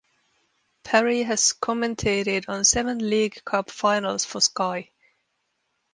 Parry has commentated on seven League Cup Finals for Sky.